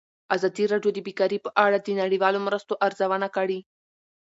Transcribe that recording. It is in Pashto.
ازادي راډیو د بیکاري په اړه د نړیوالو مرستو ارزونه کړې.